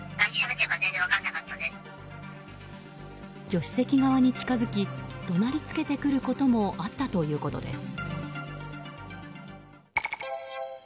助手席側に近づき怒鳴りつけてくることもあったということです。